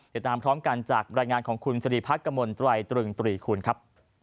ติดตามพร้อมกันจากรายงานของคุณศรีภักดิ์กระมวลตัวไอตรึงตรีคุณครับ